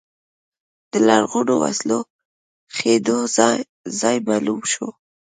د لرغونو وسلو ښخېدو ځای معلوم شو.